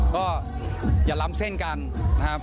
ก็อย่าล้ำเส้นกันนะครับ